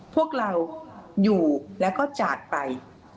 พวกเราอยู่แล้วก็จากไป